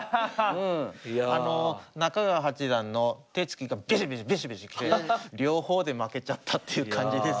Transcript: あの中川八段の手つきがビシビシビシビシ来て両方で負けちゃったっていう感じです。